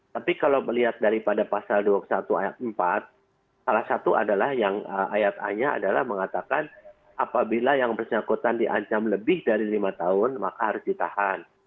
tapi kalau melihat daripada pasal dua puluh satu ayat empat salah satu adalah yang ayat a nya adalah mengatakan apabila yang bersangkutan diancam lebih dari lima tahun maka harus ditahan